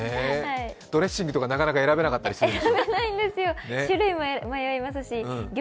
ドレッシングとかなかなか選べなかったりするでしょ？